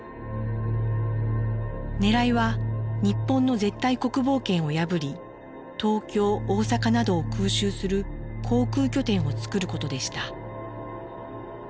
ねらいは日本の絶対国防圏を破り東京大阪などを空襲する航空拠点をつくることでした。